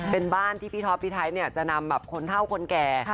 เป็นบ้านที่พี่ท็อปพี่ไทยจะนำแบบคนเท่าคนแก่